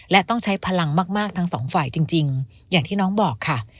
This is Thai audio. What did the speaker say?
และต้องใช้พลังมากทั้งสองฝ่ายจริงอย่างที่น้องบอกค่ะ